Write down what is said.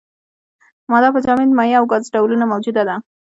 ماده په جامد، مایع او ګاز ډولونو موجوده ده.